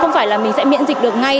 không phải là mình sẽ miễn dịch được ngay